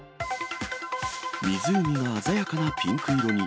湖が鮮やかなピンク色に。